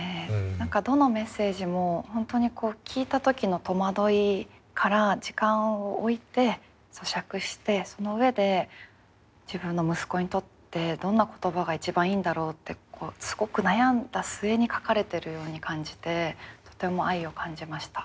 何かどのメッセージも本当にこう聞いた時の戸惑いから時間を置いてそしゃくしてその上で自分の息子にとってどんな言葉が一番いいんだろうってすごく悩んだ末に書かれてるように感じてとても愛を感じました。